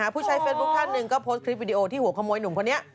ผู้ใช้เฟซบุ๊คท่านหนึ่งก็โพสต์คลิปวิดีโอที่หัวขโมยหนุ่มคนนี้